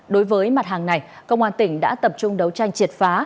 đối với mặt hàng này công an tỉnh đã tập trung đấu tranh triệt phá